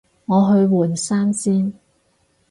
我去換衫先